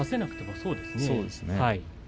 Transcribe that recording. そうですね